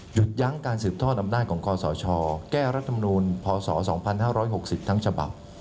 ยั้งการสืบทอดอำนาจของคอสชแก้รัฐมนูลพศ๒๕๖๐ทั้งฉบับ